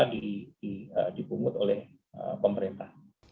bisa dipungut oleh pemerintah